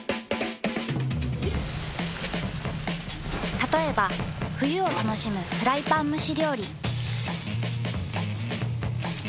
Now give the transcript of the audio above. たとえば冬を楽しむフライパン蒸し料理。